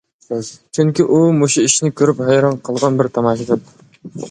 چۈنكى، ئۇ مۇشۇ ئىشنى كۆرۈپ ھەيران قالغان بىر تاماشىبىن.